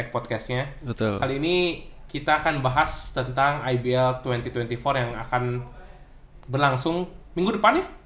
kali ini kita akan bahas tentang ibl dua ribu dua puluh empat yang akan berlangsung minggu depan